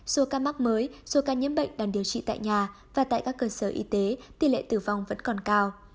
số ca mắc mới số ca nhiễm bệnh đang điều trị tại nhà và tại các cơ sở y tế tỷ lệ tử vong vẫn còn cao